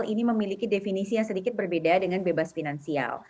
ini memiliki definisi yang sedikit berbeda dengan bebas finansial